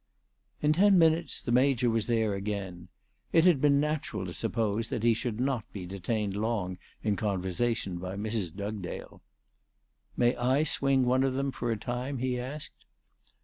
In ten minutes the Major was there again. It had been natural to suppose that he should not be detained long in conversation by Mrs. Dugdale. " May I swing one of them for a time ?" he asked.